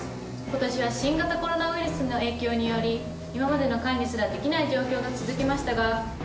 今年は新型コロナウイルスの影響により今までの管理すらできない状況が続きましたが。